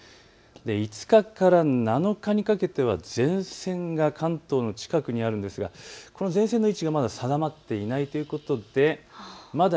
５日から７日にかけては前線が関東の近くにあるんですがこの前線の位置が定まっていないということでまだ